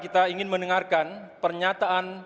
kita ingin mendengarkan pernyataan